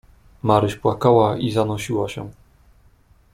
"Maryś płakała i zanosiła się."